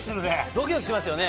ドキドキしますね。